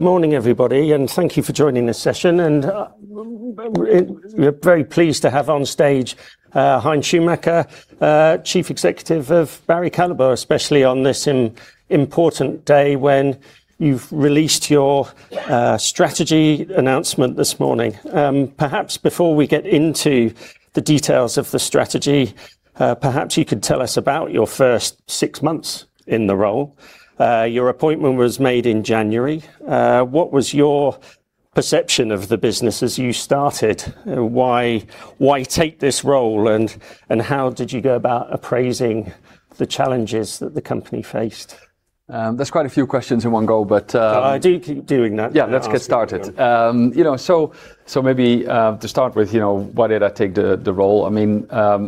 Morning, everybody, thank you for joining this session. We're very pleased to have on stage Hein Schumacher, Chief Executive of Barry Callebaut, especially on this important day when you've released your strategy announcement this morning. Perhaps before we get into the details of the strategy, perhaps you could tell us about your first six months in the role. Your appointment was made in January. What was your perception of the business as you started? Why take this role, and how did you go about appraising the challenges that the company faced? That's quite a few questions in one go. I do keep doing that. Let's get started. Maybe to start with, why did I take the role?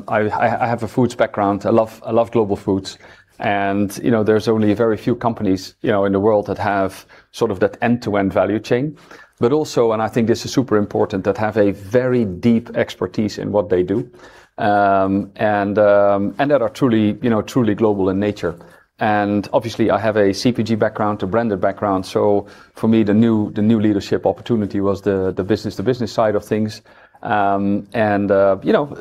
I have a foods background. I love global foods. There's only very few companies in the world that have sort of that end-to-end value chain. Also, and I think this is super important, that have a very deep expertise in what they do, and that are truly global in nature. Obviously, I have a CPG background, a branded background, so for me, the new leadership opportunity was the business side of things.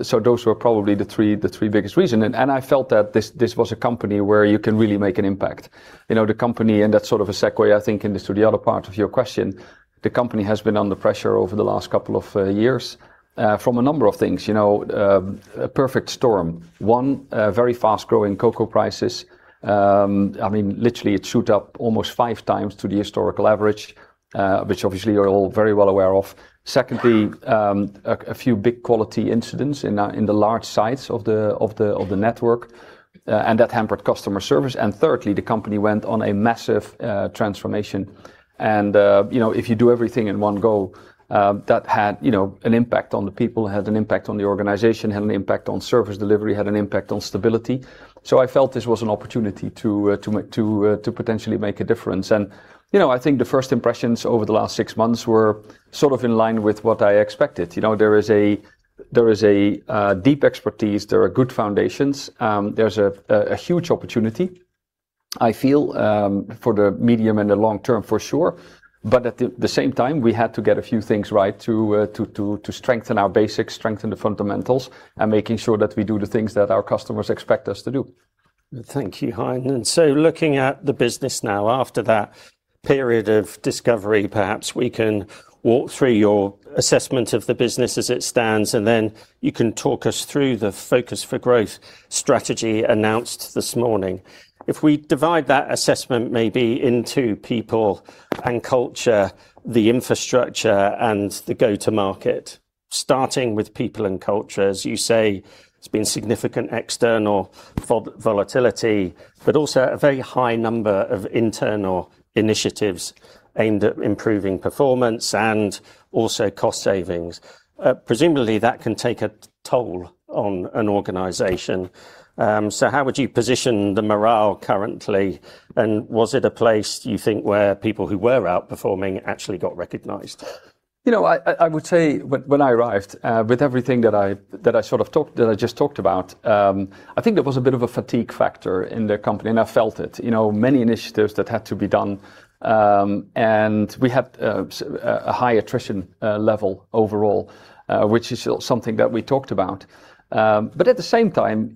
So those were probably the three biggest reason. I felt that this was a company where you can really make an impact. The company, and that's sort of a segue, I think, into the other part of your question, the company has been under pressure over the last couple of years, from a number of things. A perfect storm. One, very fast-growing cocoa prices. Literally, it shoot up almost five times to the historical average, which obviously you're all very well aware of. Secondly, a few big quality incidents in the large sites of the network, that hampered customer service. Thirdly, the company went on a massive transformation. If you do everything in one go, that had an impact on the people, had an impact on the organization, had an impact on service delivery, had an impact on stability. I felt this was an opportunity to potentially make a difference. I think the first impressions over the last six months were sort of in line with what I expected. There is a deep expertise. There are good foundations. There's a huge opportunity, I feel, for the medium and the long term for sure. At the same time, we had to get a few things right to strengthen our basics, strengthen the fundamentals, and making sure that we do the things that our customers expect us to do. Thank you, Hein. Looking at the business now, after that period of discovery, perhaps we can walk through your assessment of the business as it stands, and then you can talk us through the Focus for Growth strategy announced this morning. If we divide that assessment maybe into people and culture, the infrastructure, and the go-to-market, starting with people and culture, as you say, there's been significant external volatility, but also a very high number of internal initiatives aimed at improving performance and also cost savings. Presumably, that can take a toll on an organization. How would you position the morale currently, and was it a place, you think, where people who were out-performing actually got recognized? I would say when I arrived, with everything that I just talked about, I think there was a bit of a fatigue factor in the company, and I felt it. Many initiatives that had to be done. We had a high attrition level overall, which is something that we talked about. At the same time,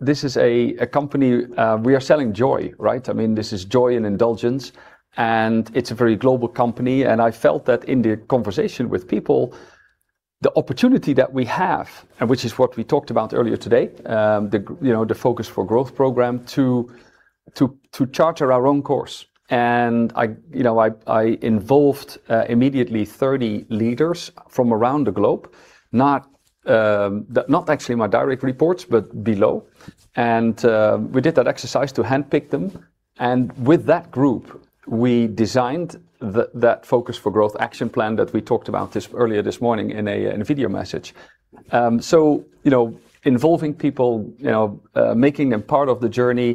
this is a company, we are selling joy, right? This is joy and indulgence, and it's a very global company. I felt that in the conversation with people, the opportunity that we have, and which is what we talked about earlier today, the Focus for Growth program, to charter our own course. I involved immediately 30 leaders from around the globe, not actually my direct reports, but below. We did that exercise to handpick them. With that group, we designed that Focus for Growth action plan that we talked about earlier this morning in a video message. Involving people, making them part of the journey,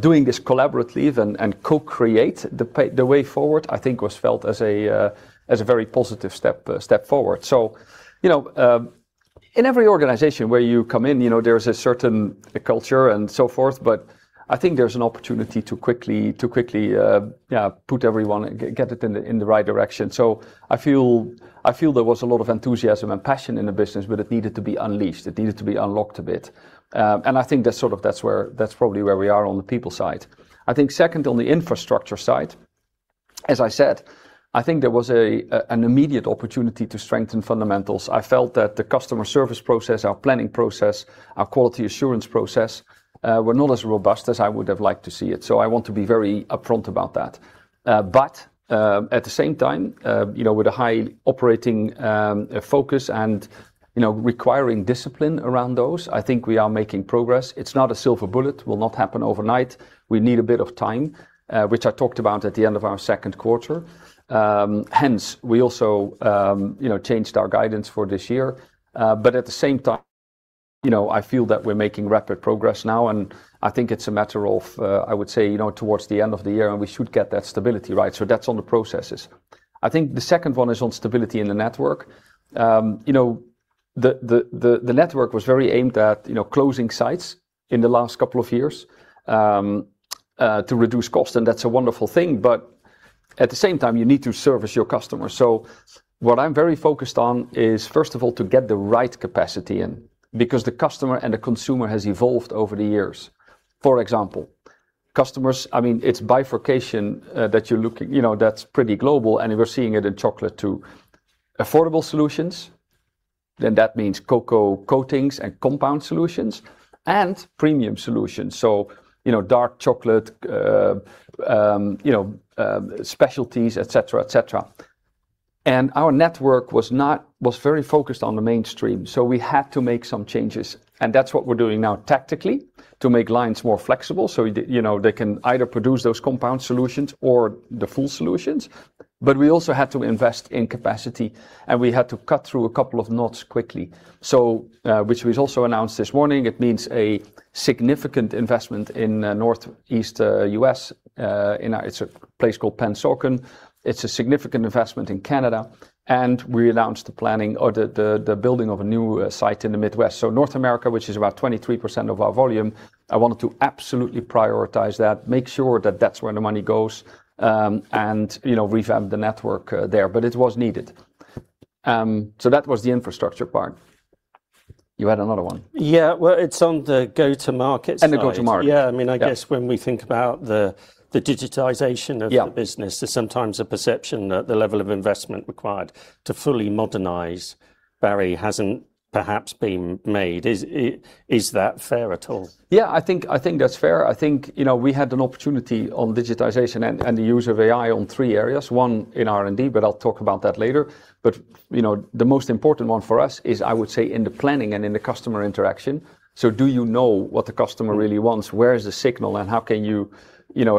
doing this collaboratively and co-create the way forward, I think was felt as a very positive step forward. In every organization where you come in, there is a certain culture and so forth, but I think there's an opportunity to quickly put everyone, get it in the right direction. I feel there was a lot of enthusiasm and passion in the business, but it needed to be unleashed. It needed to be unlocked a bit. I think that's probably where we are on the people side. I think second, on the infrastructure side, as I said, I think there was an immediate opportunity to strengthen fundamentals. I felt that the customer service process, our planning process, our quality assurance process, were not as robust as I would have liked to see it. I want to be very upfront about that. At the same time, with a high operating focus and requiring discipline around those, I think we are making progress. It's not a silver bullet. Will not happen overnight. We need a bit of time, which I talked about at the end of our second quarter. Hence, we also changed our guidance for this year. At the same time, I feel that we're making rapid progress now, and I think it's a matter of, I would say, towards the end of the year, and we should get that stability right. That's on the processes. I think the second one is on stability in the network. The network was very aimed at closing sites in the last couple of years, to reduce costs, that's a wonderful thing. At the same time, you need to service your customers. What I'm very focused on is, first of all, to get the right capacity in, because the customer and the consumer has evolved over the years. For example, customers, it's bifurcation that you're looking, that's pretty global, we're seeing it in chocolate too. Affordable solutions, that means cocoa coatings and compound solutions, premium solutions. Dark chocolate, specialties, et cetera. Our network was very focused on the mainstream, we had to make some changes. That's what we're doing now tactically to make lines more flexible, they can either produce those compound solutions or the full solutions. We also had to invest in capacity, and we had to cut through a couple of knots quickly. Which we also announced this morning, it means a significant investment in Northeast U.S. It's a place called Pennsauken. It's a significant investment in Canada, and we announced the planning or the building of a new site in the Midwest. North America, which is about 23% of our volume, I wanted to absolutely prioritize that, make sure that that's where the money goes, and revamp the network there. It was needed. That was the infrastructure part. You had another one. Yeah. Well, it's on the go-to-market side. The go-to-market. Yeah. I guess when we think about the digitization. Yeah the business, there's sometimes a perception that the level of investment required to fully modernize, Barry, hasn't perhaps been made. Is that fair at all? Yeah, I think that's fair. I think, we had an opportunity on digitization and the use of AI on three areas. One in R&D, I'll talk about that later. The most important one for us is, I would say, in the planning and in the customer interaction. Do you know what the customer really wants? Where is the signal, how can you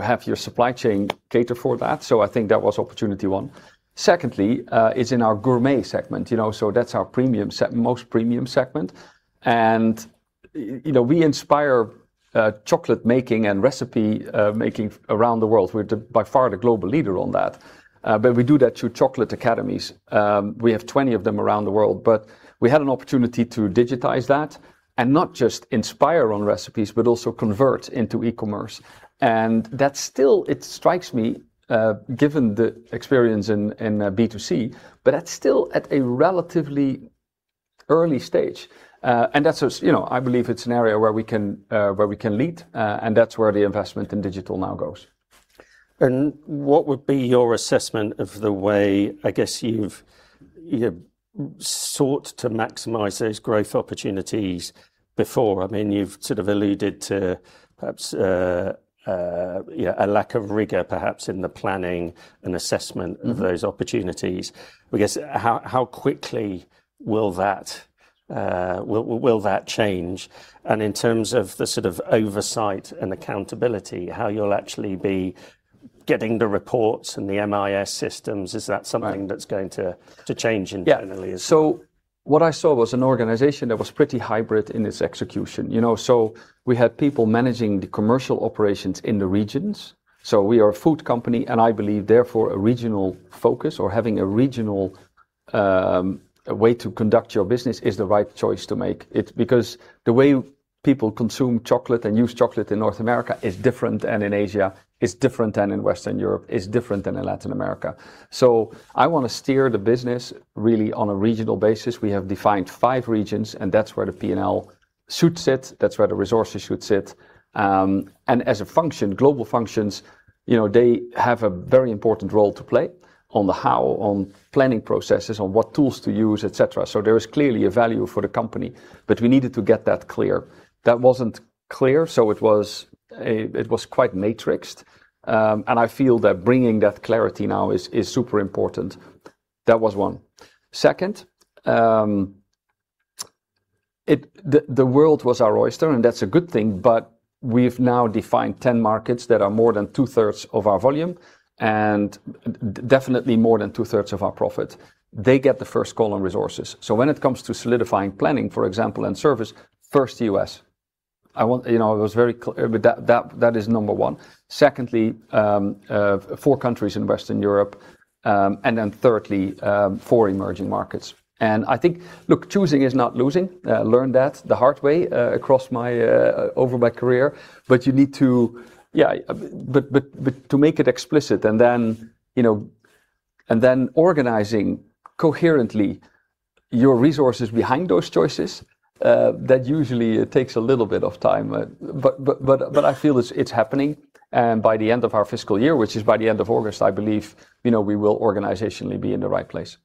have your supply chain cater for that? I think that was opportunity one. Secondly, is in our gourmet segment. That's our most premium segment. We inspire chocolate making and recipe making around the world. We're by far the global leader on that. We do that through Chocolate Academy. We have 20 of them around the world. We had an opportunity to digitize that, not just inspire on recipes, but also convert into e-commerce. That still, it strikes me, given the experience in B2C, but that's still at a relatively early stage. That's, I believe it's an area where we can lead, and that's where the investment in digital now goes. What would be your assessment of the way, I guess you've sought to maximize those growth opportunities before? You've sort of alluded to perhaps, a lack of rigor perhaps in the planning and assessment of those opportunities. I guess, how quickly will that change? In terms of the sort of oversight and accountability, how you'll actually be getting the reports and the MIS systems, is that something that's going to change internally as- Yeah. What I saw was an organization that was pretty hybrid in its execution. We had people managing the commercial operations in the regions. We are a food company, and I believe, therefore, a regional focus or having a regional way to conduct your business is the right choice to make. It's because the way people consume chocolate and use chocolate in North America is different than in Asia, is different than in Western Europe, is different than in Latin America. I want to steer the business really on a regional basis. We have defined five regions, and that's where the P&L should sit. That's where the resources should sit. As a function, global functions, they have a very important role to play on the how, on planning processes, on what tools to use, et cetera. There is clearly a value for the company. We needed to get that clear. That wasn't clear, so it was quite matrixed. I feel that bringing that clarity now is super important. That was one. Second, the world was our oyster, and that's a good thing, but we've now defined 10 markets that are more than two-thirds of our volume and definitely more than two-thirds of our profit. They get the first call on resources. When it comes to solidifying planning, for example, and service, first the U.S. That is number 1. Secondly, four countries in Western Europe. Thirdly, four emerging markets. I think, look, choosing is not losing. Learned that the hard way over my career. To make it explicit and then organizing coherently your resources behind those choices, that usually takes a little bit of time. I feel it's happening, and by the end of our fiscal year, which is by the end of August, I believe, we will organizationally be in the right place.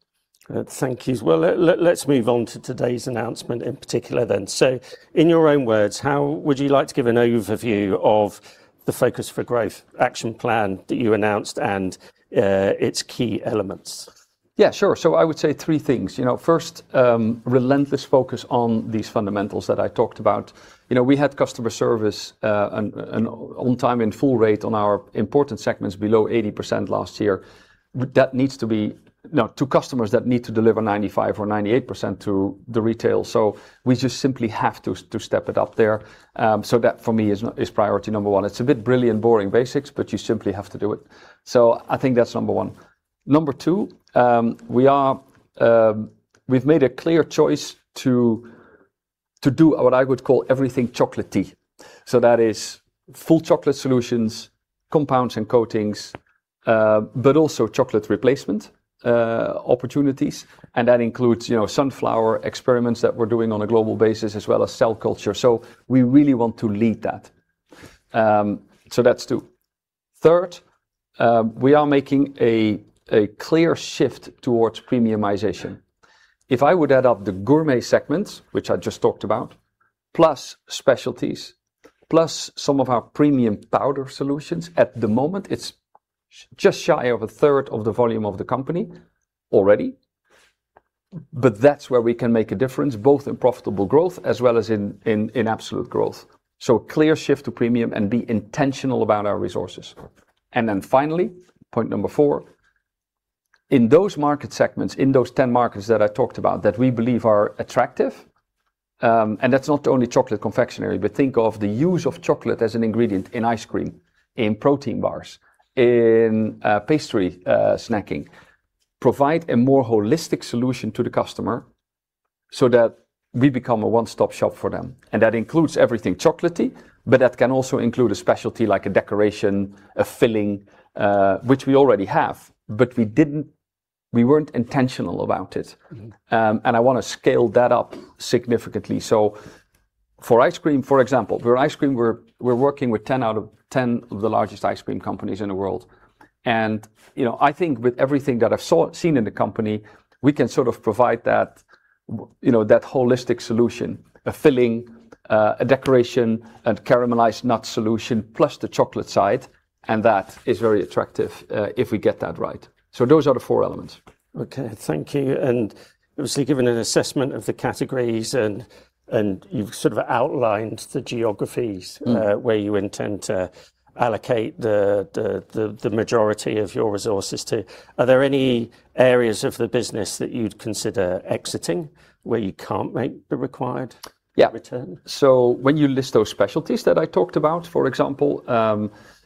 Thank you. Well, let's move on to today's announcement in particular then. In your own words, how would you like to give an overview of the Focus for Growth action plan that you announced and its key elements? Sure. I would say three things. First, relentless focus on these fundamentals that I talked about. We had customer service, on time in full rate on our important segments below 80% last year. To customers that need to deliver 95% or 98% to the retail. We just simply have to step it up there. That for me is priority number one. It's a bit brilliant, boring basics, but you simply have to do it. I think that's number one. Number two, we've made a clear choice to do what I would call everything chocolatey. That is full chocolate solutions, compounds and coatings, but also chocolate replacement opportunities. That includes sunflower lecithin that we're doing on a global basis, as well as cell culture. We really want to lead that. That's two. Third, we are making a clear shift towards premiumization. If I would add up the gourmet segments, which I just talked about, plus specialties, plus some of our premium powder solutions, at the moment, it's just shy of a third of the volume of the company already. That's where we can make a difference, both in profitable growth as well as in absolute growth. Clear shift to premium and be intentional about our resources. Finally, point number 4, in those market segments, in those 10 markets that I talked about that we believe are attractive, and that's not only chocolate confectionery, but think of the use of chocolate as an ingredient in ice cream, in protein bars, in pastry snacking. Provide a more holistic solution to the customer so that we become a one-stop shop for them. That includes everything chocolatey, but that can also include a specialty like a decoration, a filling, which we already have, but we weren't intentional about it. I want to scale that up significantly. For ice cream, for example, we're working with 10 out of 10 of the largest ice cream companies in the world. I think with everything that I've seen in the company, we can sort of provide that holistic solution, a filling, a decoration, and caramelized nut solution, plus the chocolate side, and that is very attractive if we get that right. Those are the four elements. Okay. Thank you. Obviously given an assessment of the categories and you've sort of outlined the geographies. Where you intend to allocate the majority of your resources to. Yeah return? When you list those specialties that I talked about, for example,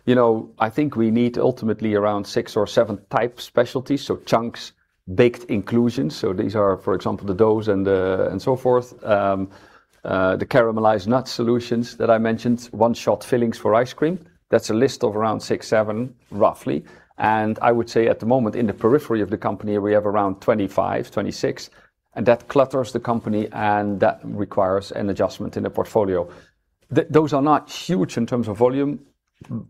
I think we need ultimately around 6 or 7 type specialties. Chunks, baked inclusions, so these are, for example, the doughs and so forth. The caramelized nut solutions that I mentioned, one-shot fillings for ice cream. That's a list of around six, seven, roughly, and I would say at the moment, in the periphery of the company, we have around 25, 26, and that clutters the company, and that requires an adjustment in the portfolio. Those are not huge in terms of volume,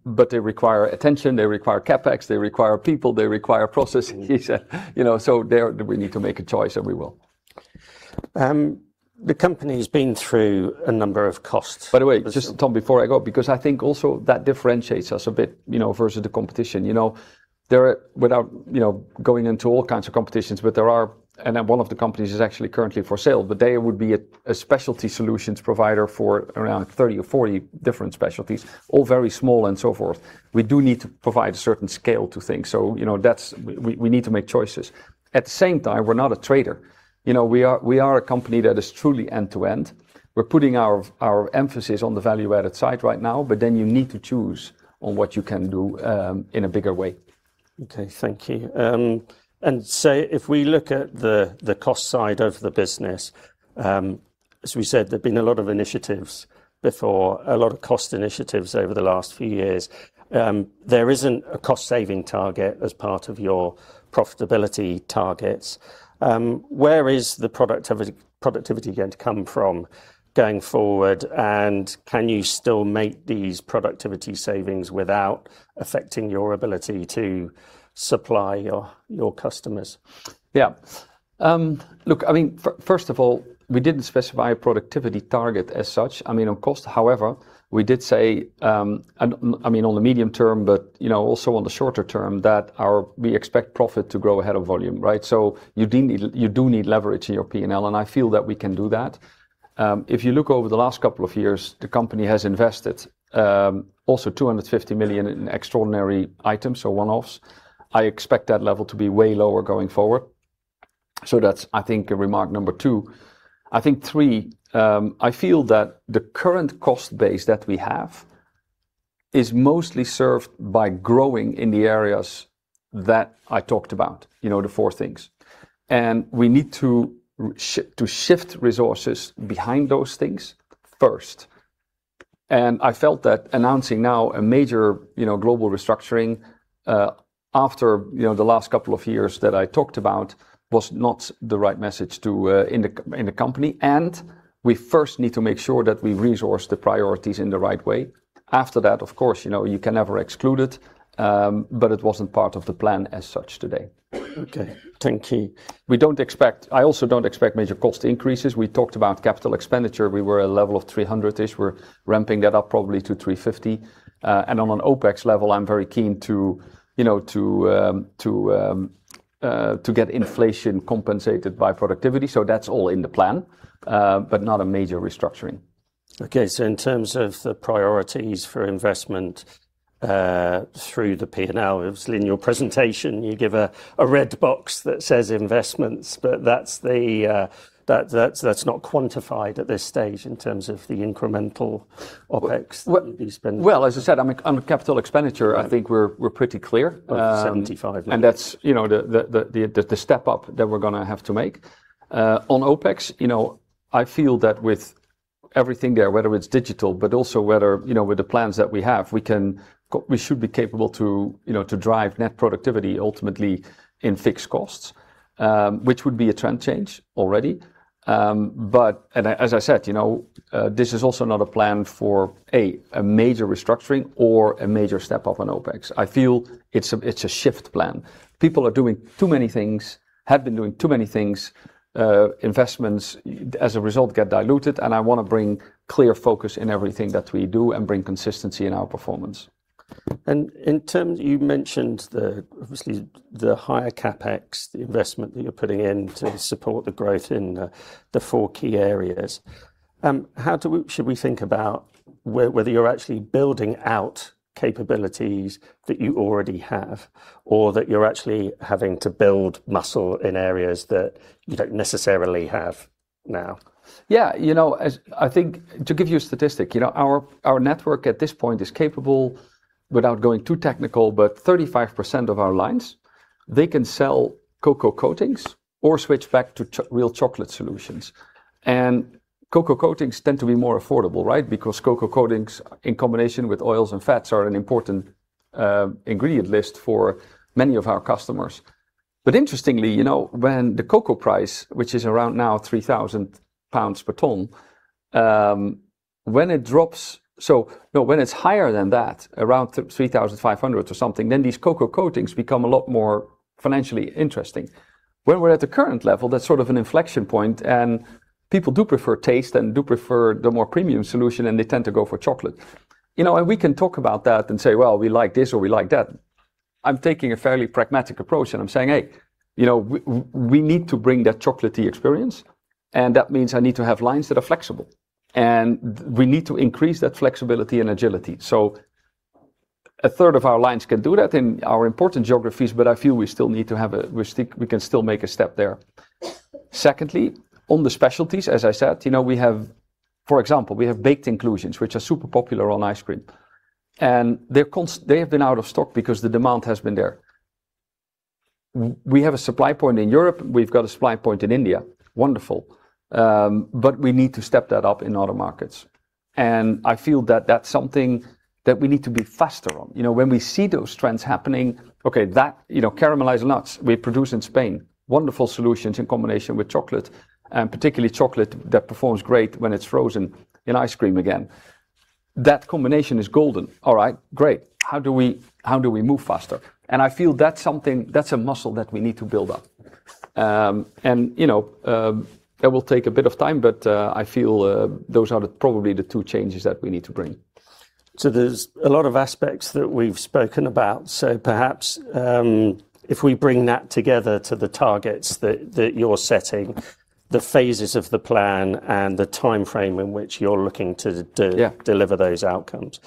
but they require attention, they require CapEx, they require people, they require processes. There we need to make a choice, and we will. The company's been through a number of costs. By the way, just, Tom, before I go, because I think also that differentiates us a bit, versus the competition. Without going into all kinds of competitions, but there are. One of the companies is actually currently for sale, but they would be a specialty solutions provider for around 30 or 40 different specialties, all very small and so forth. We do need to provide a certain scale to things. We need to make choices. At the same time, we're not a trader. We are a company that is truly end to end. We're putting our emphasis on the value-added side right now, but then you need to choose on what you can do in a bigger way. Okay. Thank you. If we look at the cost side of the business, as we said, there've been a lot of initiatives before, a lot of cost initiatives over the last few years. There isn't a cost-saving target as part of your profitability targets. Where is the productivity going to come from going forward, and can you still make these productivity savings without affecting your ability to supply your customers? Yeah. Look, first of all, we didn't specify a productivity target as such, on cost. We did say, on the medium term, but also on the shorter term, that we expect profit to grow ahead of volume. Right? You do need leverage in your P&L, and I feel that we can do that. If you look over the last couple of years, the company has invested also 250 million in extraordinary items, so one-offs. I expect that level to be way lower going forward. That's, I think, remark number 2. I think three, I feel that the current cost base that we have is mostly served by growing in the areas that I talked about. The four things. We need to shift resources behind those things first. I felt that announcing now a major global restructuring after the last couple of years that I talked about was not the right message in the company, and we first need to make sure that we resource the priorities in the right way. After that, of course, you can never exclude it, but it wasn't part of the plan as such today. Okay. Thank you. I also don't expect major cost increases. We talked about capital expenditure. We were a level of 300-ish. We're ramping that up probably to 350. On an OpEx level, I'm very keen to get inflation compensated by productivity. That's all in the plan, but not a major restructuring. Okay. In terms of the priorities for investment through the P&L, obviously in your presentation, you give a red box that says investments, but that's not quantified at this stage in terms of the incremental OpEx that you'll be spending. Well, as I said, on capital expenditure, I think we're pretty clear. 75 million. That's the step up that we're going to have to make. On OpEx, I feel that with everything there, whether it's digital, but also with the plans that we have, we should be capable to drive net productivity ultimately in fixed costs, which would be a trend change already. As I said, this is also not a plan for a major restructuring or a major step up on OpEx. I feel it's a shift plan. People are doing too many things, have been doing too many things, investments as a result get diluted, and I want to bring clear focus in everything that we do and bring consistency in our performance. In terms, you mentioned the, obviously, the higher CapEx, the investment that you're putting in to support the growth in the four key areas. How should we think about whether you're actually building out capabilities that you already have, or that you're actually having to build muscle in areas that you don't necessarily have now? Yeah. I think to give you a statistic, our network at this point is capable, without going too technical, but 35% of our lines, they can sell cocoa coatings or switch back to real chocolate solutions. Cocoa coatings tend to be more affordable, because cocoa coatings in combination with oils and fats are an important ingredient list for many of our customers. Interestingly, when the cocoa price, which is around now 3,000 pounds per ton, when it drops, no, when it's higher than that, around 3,500 or something, then these cocoa coatings become a lot more financially interesting. When we're at the current level, that's sort of an inflection point, and people do prefer taste and do prefer the more premium solution, and they tend to go for chocolate. We can talk about that and say, "Well, we like this," or, "We like that." I'm taking a fairly pragmatic approach, and I'm saying, "Hey, we need to bring that chocolatey experience, and that means I need to have lines that are flexible." We need to increase that flexibility and agility. A third of our lines can do that in our important geographies, but I feel we can still make a step there. Secondly, on the specialties, as I said, for example, we have baked inclusions, which are super popular on ice cream. They have been out of stock because the demand has been there. We have a supply point in Europe, we've got a supply point in India. Wonderful. We need to step that up in other markets. I feel that that's something that we need to be faster on. When we see those trends happening, okay, caramelized nuts, we produce in Spain, wonderful solutions in combination with chocolate, and particularly chocolate that performs great when it's frozen in ice cream again. That combination is golden. All right, great. How do we move faster? I feel that's a muscle that we need to build up. It will take a bit of time, but I feel those are probably the two changes that we need to bring. There's a lot of aspects that we've spoken about. Perhaps, if we bring that together to the targets that you're setting, the phases of the plan, and the timeframe in which you're looking. Yeah deliver those outcomes.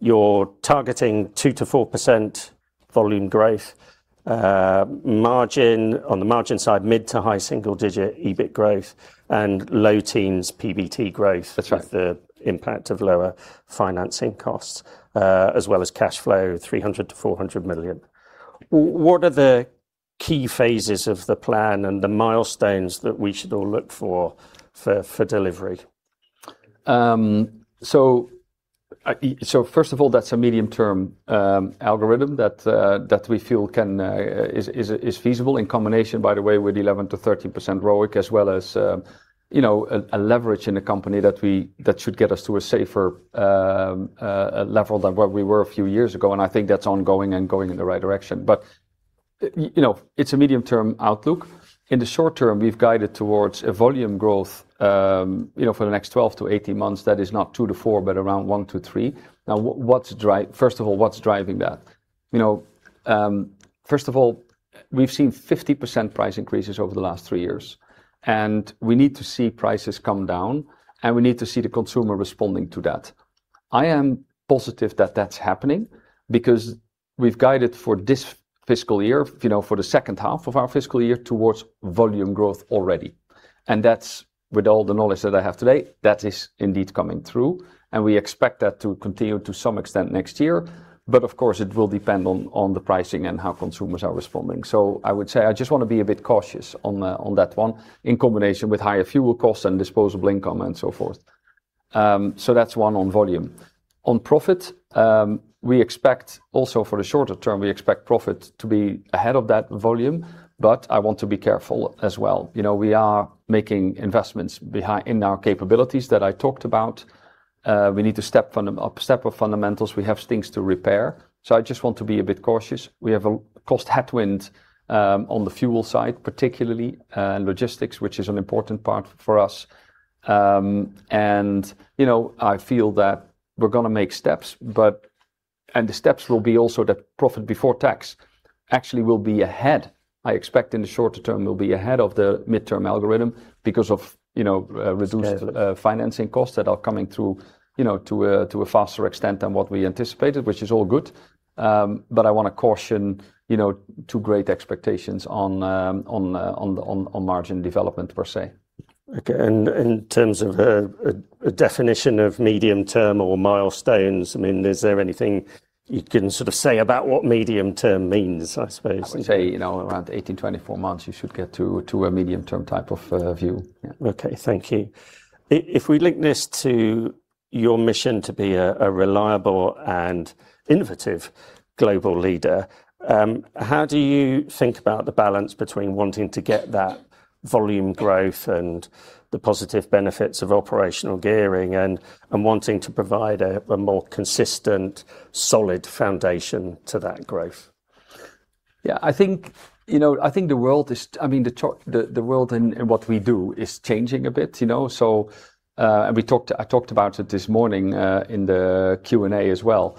You're targeting 2% to 4% volume growth. On the margin side, mid to high single-digit EBITDA growth and low teens PBT growth. That's right. with the impact of lower financing costs, as well as cash flow, 300 million-400 million. What are the key phases of the plan and the milestones that we should all look for delivery? First of all, that's a medium-term algorithm that we feel is feasible in combination, by the way, with 11% to 13% ROIC as well as a leverage in the company that should get us to a safer level than where we were a few years ago. I think that's ongoing and going in the right direction. It's a medium-term outlook. In the short-term, we've guided towards a volume growth, for the next 12 to 18 months, that is not 2% to 4%, but around 1% to 3%. First of all, what's driving that? First of all, we've seen 50% price increases over the last three years, and we need to see prices come down, and we need to see the consumer responding to that. I am positive that that's happening because we've guided for this fiscal year, for the second half of our fiscal year, towards volume growth already. That's with all the knowledge that I have today, that is indeed coming through, and we expect that to continue to some extent next year. Of course, it will depend on the pricing and how consumers are responding. I would say I just want to be a bit cautious on that one in combination with higher fuel costs and disposable income and so forth. That's one on volume. On profit, we expect also for the shorter term, we expect profit to be ahead of that volume, but I want to be careful as well. We are making investments in our capabilities that I talked about. We need to step up fundamentals. We have things to repair. I just want to be a bit cautious. We have a cost headwind on the fuel side, particularly, and logistics, which is an important part for us. I feel that we're going to make steps, and the steps will be also that profit before tax actually will be ahead, I expect in the shorter term, will be ahead of the midterm algorithm. [Schedule] reduced financing costs that are coming through to a faster extent than what we anticipated, which is all good. I want to caution too great expectations on margin development per se. Okay. In terms of a definition of medium-term or milestones, is there anything you can sort of say about what medium-term means, I suppose? I would say, around 18 to 24 months, you should get to a medium-term type of view. Yeah. Okay. Thank you. If we link this to your mission to be a reliable and innovative global leader, how do you think about the balance between wanting to get that volume growth and the positive benefits of operational gearing, and wanting to provide a more consistent, solid foundation to that growth? Yeah. I think the world, and what we do, is changing a bit. I talked about it this morning in the Q&A as well.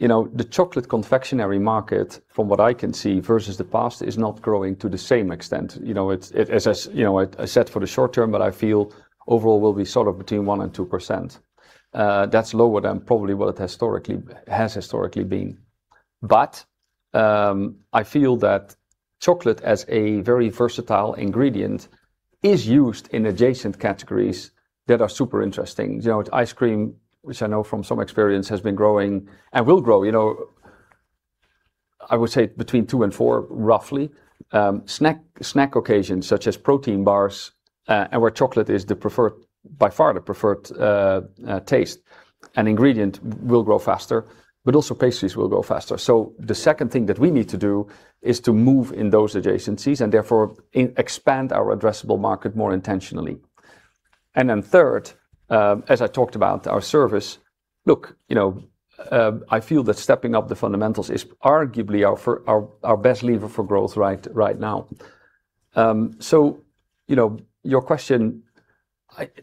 The chocolate confectionery market, from what I can see, versus the past, is not growing to the same extent. I set for the short term, but I feel overall we'll be sort of between 1% and 2%. That's lower than probably what it has historically been. I feel that chocolate, as a very versatile ingredient, is used in adjacent categories that are super interesting. Ice cream, which I know from some experience, has been growing and will grow, I would say between 2% and 4%, roughly. Snack occasions, such as protein bars, and where chocolate is by far the preferred taste and ingredient, will grow faster. Also pastries will grow faster. The second thing that we need to do is to move in those adjacencies, and therefore expand our addressable market more intentionally. Then third, as I talked about, our service. Look, I feel that stepping up the fundamentals is arguably our best lever for growth right now. Your question,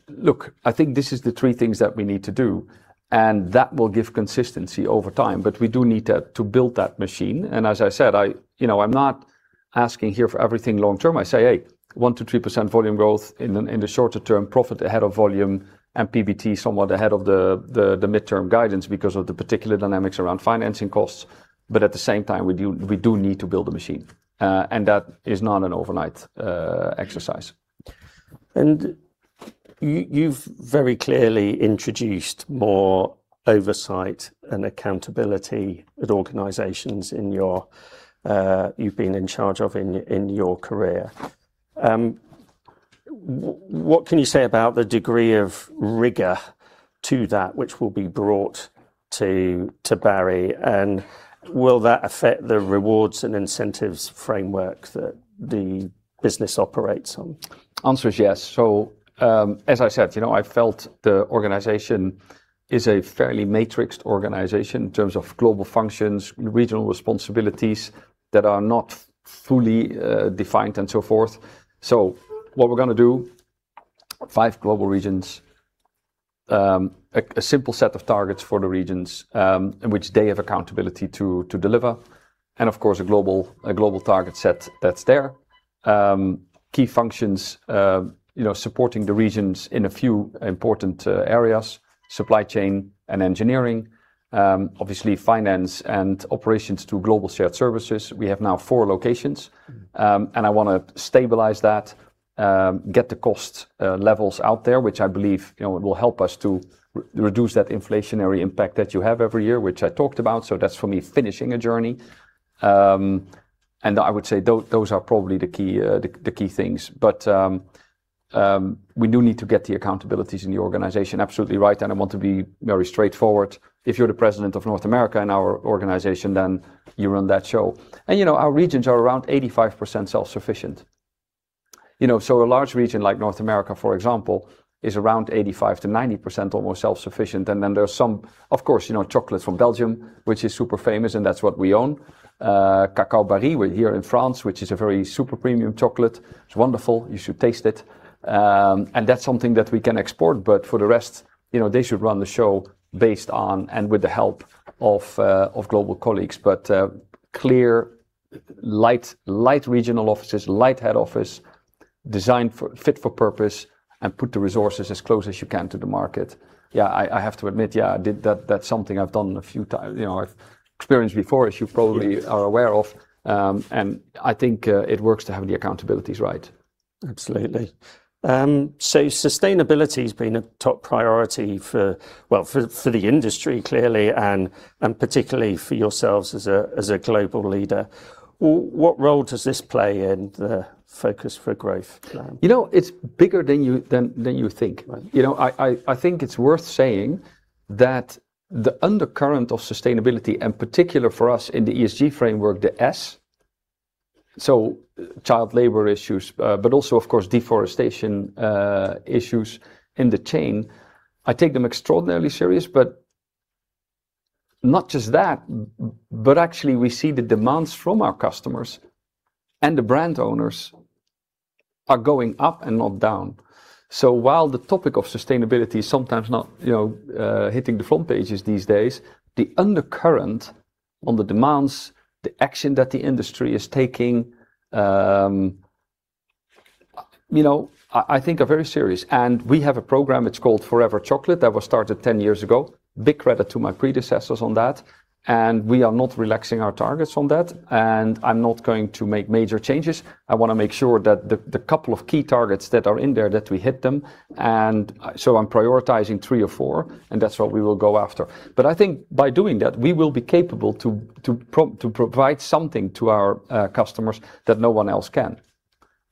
look, I think this is the three things that we need to do, and that will give consistency over time, but we do need to build that machine. As I said, I'm not asking here for everything long term. I say, "Hey, 1% to 3% volume growth in the shorter term, profit ahead of volume, and PBT somewhat ahead of the midterm guidance because of the particular dynamics around financing costs." At the same time, we do need to build a machine. That is not an overnight exercise. You've very clearly introduced more oversight and accountability at organizations you've been in charge of in your career. What can you say about the degree of rigor to that which will be brought to Barry, and will that affect the rewards and incentives framework that the business operates on? Answer is yes. As I said, I felt the organization is a fairly matrixed organization in terms of global functions, regional responsibilities that are not fully defined, and so forth. What we're going to do, five global regions, a simple set of targets for the regions, in which they have accountability to deliver. Of course, a global target set that's there. Key functions supporting the regions in a few important areas, supply chain and engineering. Obviously, finance and operations to global shared services. We have now four locations, and I want to stabilize that, get the cost levels out there, which I believe will help us to reduce that inflationary impact that you have every year, which I talked about. That's, for me, finishing a journey. I would say those are probably the key things. We do need to get the accountabilities in the organization absolutely right, and I want to be very straightforward. If you're the president of North America in our organization, then you run that show. Our regions are around 85% self-sufficient. A large region like North America, for example, is around 85% to 90% almost self-sufficient. Then there are some, of course, chocolate from Belgium, which is super famous, and that's what we own. Cacao Barry, here in France, which is a very super premium chocolate. It's wonderful. You should taste it. That's something that we can export, but for the rest, they should run the show based on, and with the help of, global colleagues. Clear, light regional offices, light head office, fit for purpose, and put the resources as close as you can to the market. Yeah, I have to admit, that's something I've done a few times. I've experienced before, as you probably are aware of. I think it works to have the accountabilities right. Absolutely. Sustainability's been a top priority for the industry, clearly, and particularly for yourselves as a global leader. What role does this play in the Focus for Growth plan? It's bigger than you think. Right. I think it's worth saying that the undercurrent of sustainability, and particular for us in the ESG framework, the S, so child labor issues, but also, of course, deforestation issues in the chain, I take them extraordinarily serious. Not just that, but actually we see the demands from our customers and the brand owners are going up and not down. While the topic of sustainability is sometimes not hitting the front pages these days, the undercurrent on the demands, the action that the industry is taking, I think are very serious. We have a program, it's called Forever Chocolate, that was started 10 years ago. Big credit to my predecessors on that. We are not relaxing our targets on that. I'm not going to make major changes. I want to make sure that the couple of key targets that are in there, that we hit them. I'm prioritizing three or four, and that's what we will go after. I think by doing that, we will be capable to provide something to our customers that no one else can.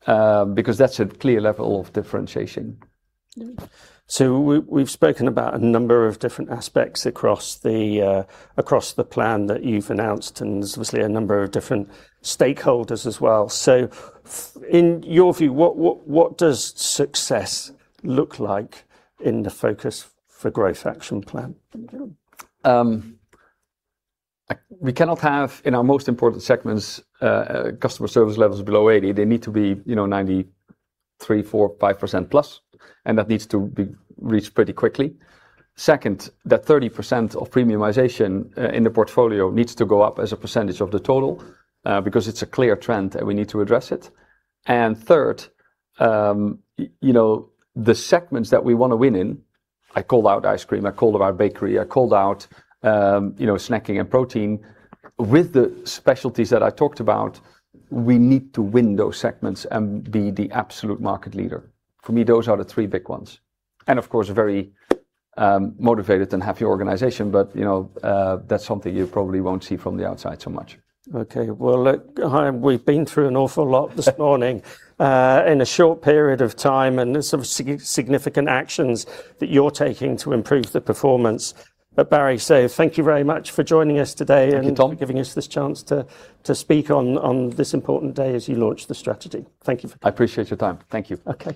That's a clear level of differentiation. We've spoken about a number of different aspects across the plan that you've announced, and there's obviously a number of different stakeholders as well. In your view, what does success look like in the Focus for Growth action plan? We cannot have, in our most important segments, customer service levels below 80. They need to be 93, 4, 5% plus, that needs to be reached pretty quickly. Second, that 30% of premiumization in the portfolio needs to go up as a percentage of the total because it's a clear trend, we need to address it. Third, the segments that we want to win in, I called out ice cream, I called out bakery, I called out snacking and protein. With the specialties that I talked about, we need to win those segments and be the absolute market leader. For me, those are the three big ones. Of course, a very motivated and happy organization. That's something you probably won't see from the outside so much. Okay. Well, look, Hein, we've been through an awful lot this morning in a short period of time, and there's some significant actions that you're taking to improve the performance at Barry. Thank you very much for joining us today. Thank you, Tom. For giving us this chance to speak on this important day as you launch the strategy. Thank you. I appreciate your time. Thank you. Okay.